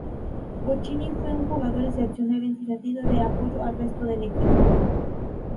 Bochini fue un jugador excepcional en su sentido de apoyo al resto del equipo.